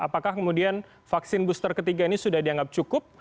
apakah kemudian vaksin booster ketiga ini sudah dianggap cukup